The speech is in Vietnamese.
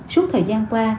suốt thời gian qua